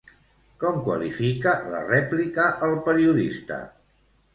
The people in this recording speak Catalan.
Com qualifica la rèplica el periodista?